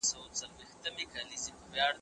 او په مناسب وخت کې یې کاروو.